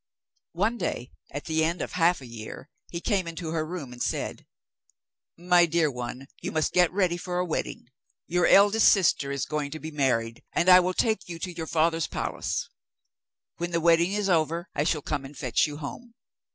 One day, at the end of half a year, he came into her room and said: 'My dear one, you must get ready for a wedding. Your eldest sister is going to be married, and I will take you to your father's palace. When the wedding is over, I shall come and fetch you home.